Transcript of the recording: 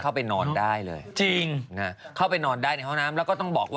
เขางูเป็นงูหนึ่ง